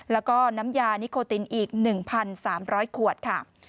แล้วก็น้ำยานิโคตินอีก๑๓๐๐ขวดค่ะ